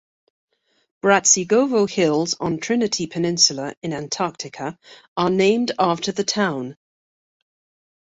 Bratsigovo Hills on Trinity Peninsula in Antarctica are named after the town.